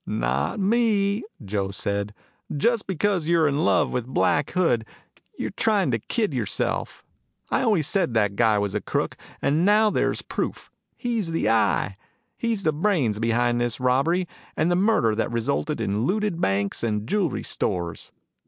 "Not me," Joe said. "Just because you're in love with Black Hood you're trying to kid yourself. I always said that guy was a crook. And now there's proof. He's the Eye. He's the brains behind all this robbery and murder that resulted in looted banks and jewelry stores.